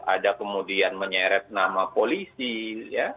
ada kemudian menyeret nama polisi ya